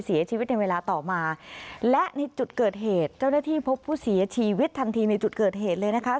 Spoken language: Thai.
เสียชีวิตในเวลาต่อมาและในจุดเกิดเหตุเจ้าหน้าที่พบผู้เสียชีวิตทันทีในจุดเกิดเหตุเลยนะคะ